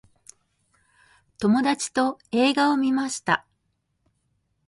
友達と映画を観ました。